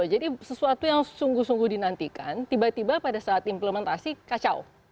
jadi sesuatu yang sungguh sungguh dinantikan tiba tiba pada saat implementasi kacau